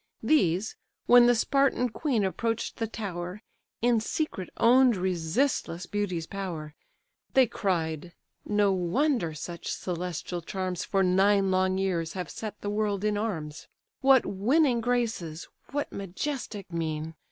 These, when the Spartan queen approach'd the tower, In secret own'd resistless beauty's power: They cried, "No wonder such celestial charms For nine long years have set the world in arms; What winning graces! what majestic mien!